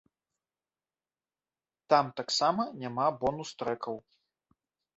Там таксама няма бонус-трэкаў.